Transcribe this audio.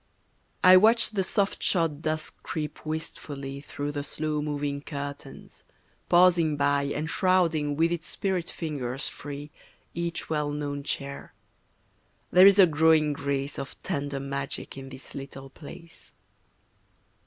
I watch the soft shod dusk creep wistfully Through the slow moving curtains, pausing by And shrouding with its spirit fingers free Each well known chair. There is a growing grace Of tender magic in this little place.